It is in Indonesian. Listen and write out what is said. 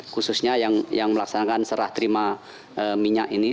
khususnya yang melaksanakan serah terima minyak ini